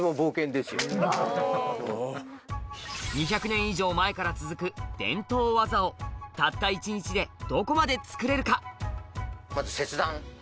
２００年以上前から続く伝統和竿たった１日でどこまで作れるか？